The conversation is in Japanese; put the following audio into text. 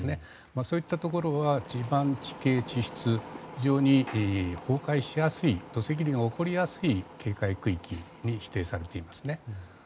そういったところは地盤、地形、地質非常に崩壊しやすい土石流が起きやすい警戒区域に指定されていますね。